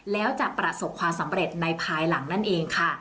แล้วจะประสบความสำเร็จในภายหลังนั่นเองค่ะ